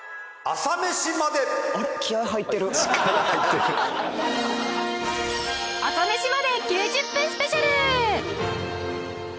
『朝メシまで。』９０分スペシャル